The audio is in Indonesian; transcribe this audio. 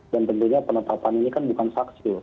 dan tentunya penetapan ini kan bukan saksi loh